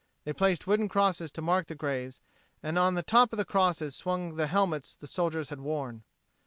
They placed wooden crosses to mark the graves and on the top of the crosses swung the helmets the soldiers had worn.